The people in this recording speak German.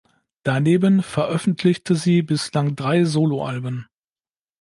Daneben veröffentlichte sie bislang drei Soloalben.